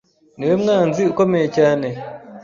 Niwe mwanzi ukomeye cyane